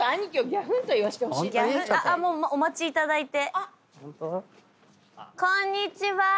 もうお待ちいただいて。